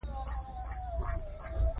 انصاف د برابري اساس جوړوي.